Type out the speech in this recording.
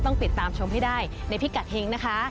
ต้องติดตามชมให้ได้ในพิกัดเฮงนะคะ